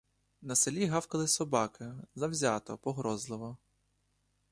На селі гавкали собаки — завзято, погрозливо.